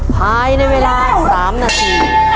ภายในเวลา๓นาที